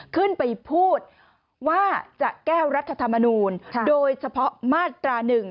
ขึ้นไปพูดว่าจะแก้รัฐธรรมนูลโดยเฉพาะมาตรา๑